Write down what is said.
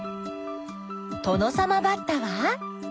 トノサマバッタは？